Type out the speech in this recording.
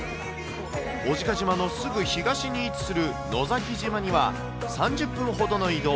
小値賀島のすぐ東に位置する野崎島には、３０分ほどの移動。